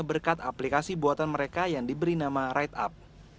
berkat aplikasi buatan mereka yang diberi nama rideup